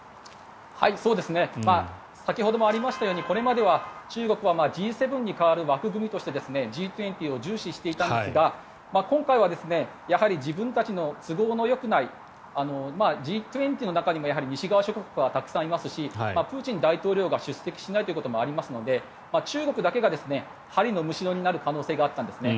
先ほどもありましたようにこれまでは中国はＧ７に代わる枠組みとしてＧ２０を重視していたんですが今回は自分たちの都合のよくないＧ２０の中でも西側諸国はたくさんいますしプーチン大統領が出席しないということもありますので中国だけが針のむしろになる可能性があったんですね。